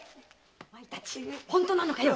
お前たち本当なのかい